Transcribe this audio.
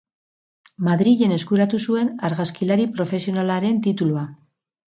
Madrilen eskuratu zuen argazkilari profesionalaren titulua.